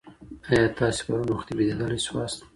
آیا تاسي پرون وختي بېدېدلي سواست؟